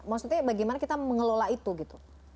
maksudnya bagaimana kita mengelola itu gitu